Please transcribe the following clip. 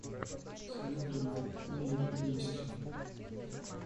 Всегда думала, мы будем вместе.